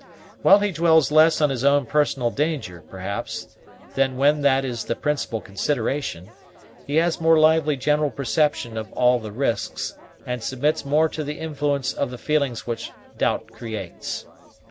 While he dwells less on his own personal danger, perhaps, than when that is the principal consideration, he has more lively general perceptions of all the risks, and submits more to the influence of the feelings which doubt creates.